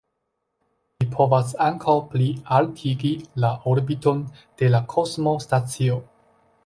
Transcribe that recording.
Ĝi povas ankaŭ plialtigi la orbiton de la kosmostacio.